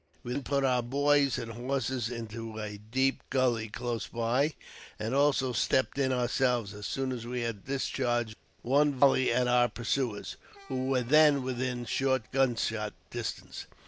Wo then put our boys and horses into a deep gully close by, and also stepped in ourselves, as soon as we had discharged cue JAMES P. BECKWOUBTH. 193 volley at our pursuers, who were then within short gunshot distance.